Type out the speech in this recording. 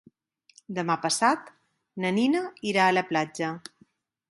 Demà passat na Nina irà a la platja.